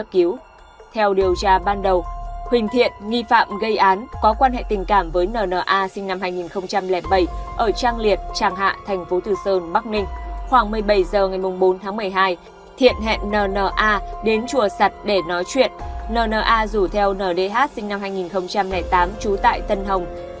khôi và n n c a sinh năm hai nghìn bảy đi cùng